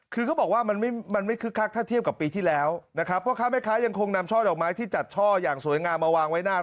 คือก็บอกว่ามันไม่คึกคักถ้าเทียบกับปีที่แล้ว